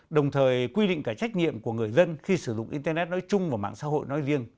đồng thời quy định cả trách nhiệm của người dân khi sử dụng internet nói chung và mạng xã hội nói riêng